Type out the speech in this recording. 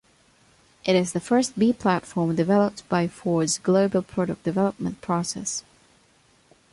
It is the first B-platform developed by Ford's global product development process.